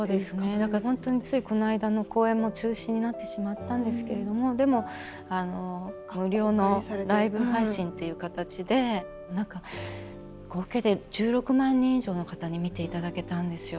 だから本当についこの間の公演も中止になってしまったんですけれどもでも無料のライブ配信っていう形で何か合計で１６万人以上の方に見ていただけたんですよ。